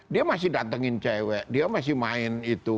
dia masih datengin cewek dia masih main itu